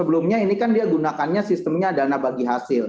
sebelumnya ini kan dia gunakannya sistemnya dana bagi hasil